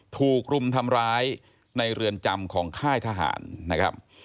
ถูกรุมทำร้ายในเรือนจำของค่ายทหารนะครับ